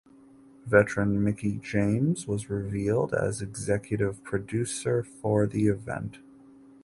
Veteran Mickie James was revealed as executive producer for the event.